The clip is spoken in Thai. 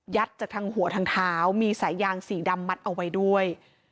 จากทางหัวทางเท้ามีสายยางสีดำมัดเอาไว้ด้วย